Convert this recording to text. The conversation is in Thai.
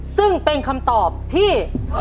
ซึ่งเป็นคำตอบที่